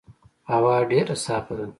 هوا ډېر صافه ده.